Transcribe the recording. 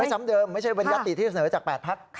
ซ้ำเดิมไม่ใช่เป็นยัตติที่เสนอจาก๘พัก